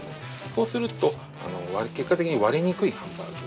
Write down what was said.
そうすると結果的に割れにくいハンバーグ。